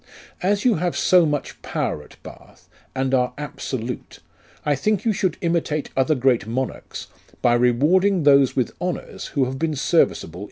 As you have so much power at Bath, and are absolute, I think you should imitate other great monarchs, by rewarding those with honours who have been serviceable